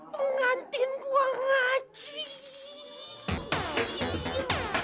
mengantin gua ngaji